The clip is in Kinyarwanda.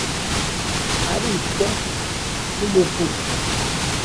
aricwa n'umuvumo,